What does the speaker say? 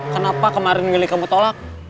kenapa kemarin milik kamu tolak